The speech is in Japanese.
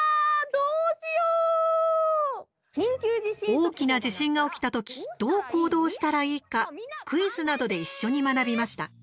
大きな地震が起きたときどう行動したらいいかクイズなどで一緒に学びました。